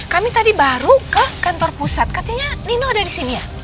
kami tadi baru ke kantor pusat katanya nino ada di sini ya